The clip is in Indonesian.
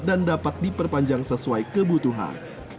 dan dapat diperpanjang sesuai kebutuhan